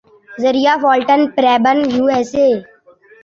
ذریعہ فالٹن پریبن یوایساے